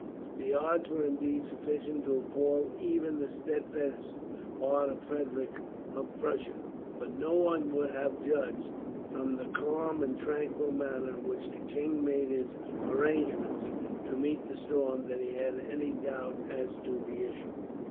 The odds were indeed sufficient to appall even the steadfast heart of Frederick of Prussia; but no one would have judged, from the calm and tranquil manner in which the king made his arrangements to meet the storm, that he had any doubt as to the issue.